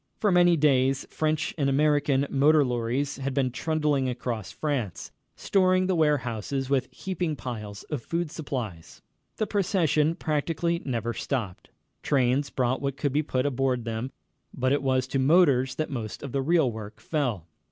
For many days French and American motor lorries had been trundling across France, storing the warehouses with heaping piles of food supplies. The procession practically never stopped. Trains brought what could be put aboard them, but it was to motors that most of the real work fell.